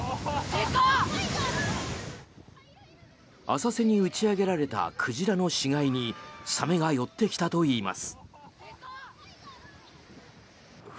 浅瀬に打ち上げられた鯨の死骸にサメが寄ってきたといいます。